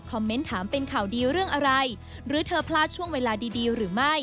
เมนต์ถามเป็นข่าวดีเรื่องอะไรหรือเธอพลาดช่วงเวลาดีดีหรือไม่